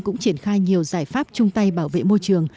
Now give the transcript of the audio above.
cũng triển khai nhiều giải pháp chung tay bảo vệ môi trường